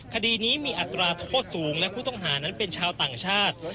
คดีนี้มีอัตราโทษสูงและผู้ต้องหานั้นเป็นชาวต่างชาติ